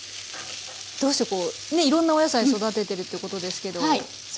どうしてこうねいろんなお野菜育ててるということですけど。